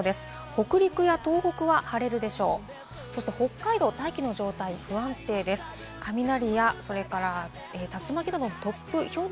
北陸や東北は晴れるでしょう。